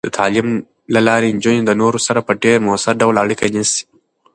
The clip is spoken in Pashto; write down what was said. د تعلیم له لارې، نجونې د نورو سره په ډیر مؤثر ډول اړیکه نیسي.